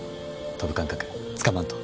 飛ぶ感覚つかまんと。